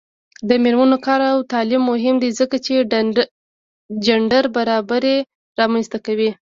د میرمنو کار او تعلیم مهم دی ځکه چې جنډر برابري رامنځته کوي.